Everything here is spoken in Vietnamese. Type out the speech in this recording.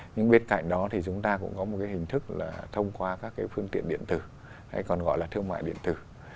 nhưng bên cạnh đó thì chúng ta cũng có một cái hình thức là thông qua các cái phương tiện điện tử hay còn gọi là thương mại điện tử